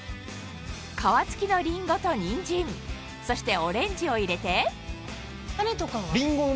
皮付きのリンゴとニンジンそしてオレンジを入れて種とかは。